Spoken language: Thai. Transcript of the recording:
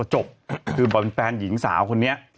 หญิงสาวคนนี้